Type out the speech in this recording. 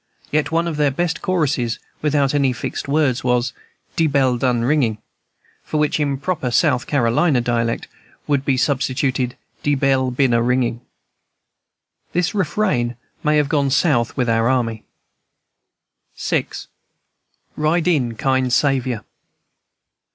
Yet one of their best choruses, without any fixed words, was, "De bell done ringing," for which, in proper South Carolina dialect, would have been substituted, "De bell been a ring." This refrain may have gone South with our army. VI. RIDE IN, KIND SAVIOUR.